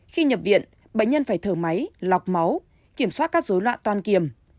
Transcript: khi nhập viện bệnh nhân phải thở máy lọc máu kiểm soát các dối loạn toan kiểm